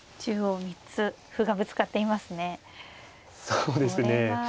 そうですね。